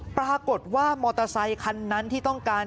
ปรากฏว่ามอเตอร์ไซคันนั้นที่ต้องการ